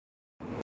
IRAS